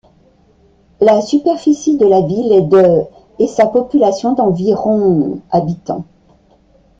La superficie de la ville est de et sa population d'environ habitants.